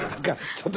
ちょっと！